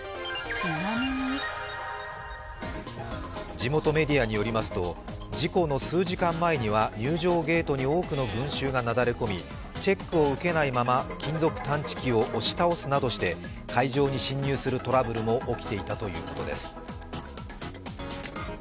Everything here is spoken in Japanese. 地元メディアによりますと、事故の数時間前には入場ゲートに多くの群集がなだれ込みチェックを受けないまま金属探知機を押し倒すなどして会場に侵入するトラブルも起きていたということです。